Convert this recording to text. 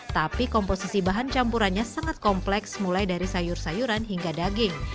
tapi komposisi bahan campurannya sangat kompleks mulai dari sayur sayuran hingga daging